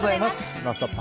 「ノンストップ！」